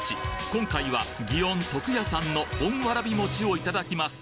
今回はぎおん徳屋さんの本わらび餅をいただきます！